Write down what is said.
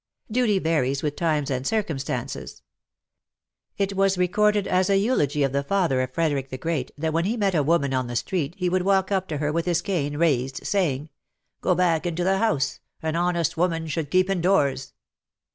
Duty varies with times and circumstances. It was recorded as a eulogy of the father of Frederick the Great that when he met a woman in the street he would walk up to her with his cane raised, saying, " Go back into the house ; an honest woman should keep indoors."